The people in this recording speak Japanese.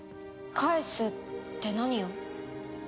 返すって何を？